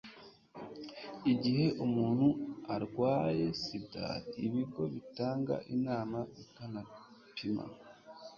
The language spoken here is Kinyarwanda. igihe umuntu arwaye sida ibigo bitanga inama bikanapima